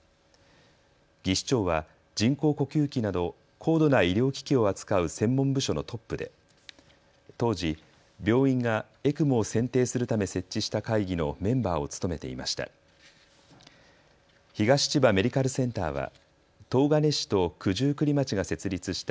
技士長は人工呼吸器など高度な医療機器を扱う専門部署のトップで当時、病院がＥＣＭＯを選定するため設置した会議のメンバーを務めていました。